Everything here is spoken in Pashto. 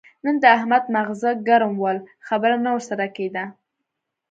نن د احمد ماغزه ګرم ول؛ خبره نه ور سره کېده.